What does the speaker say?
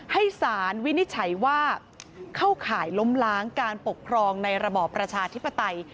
ให้สารวินิจฉัยว่าเข้าข่ายล้มล้างการปกครองในระบอบประชาธิปไตย